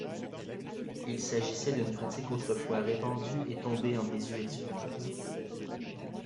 Il s'agissait d'une pratique autrefois répandue et tombée en désuétude.